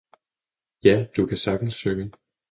Ja, du kan sagtens synge!